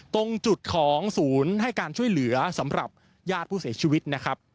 ตรงจุดของศูนย์ให้การช่วยเหลือสำหรับญาติผู้เสียชีวิตนะครับ